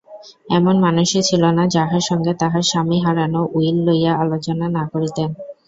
এমন মানুষই ছিল না যাহার সঙ্গে তাঁহার স্বামী হারানো উইল লইয়া আলোচনা না করিতেন।